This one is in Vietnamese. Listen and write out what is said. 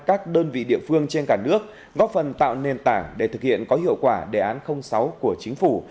các đơn vị địa phương trên cả nước góp phần tạo nền tảng để thực hiện có hiệu quả đề án sáu của chính phủ